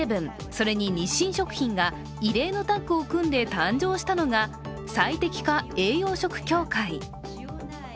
それに日清食品が異例のタッグを組んで誕生したのが最適化栄養食協会。